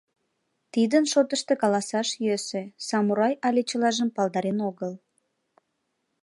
— Тидын шотышто каласаш йӧсӧ: самурай але чылажым палдарен огыл.